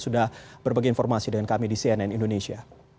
sudah berbagi informasi dengan kami di cnn indonesia